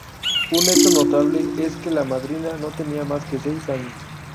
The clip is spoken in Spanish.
Un hecho notable es que la madrina no tenía más que seis años.